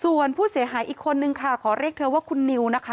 ส่วนผู้เสียหายอีกคนนึงค่ะขอเรียกเธอว่าคุณนิวนะคะ